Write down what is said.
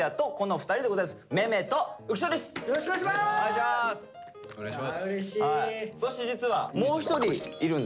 お願いします。